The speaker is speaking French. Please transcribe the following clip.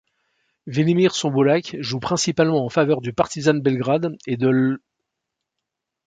Velimir Sombolac joue principalement en faveur du Partizan Belgrade et de l'.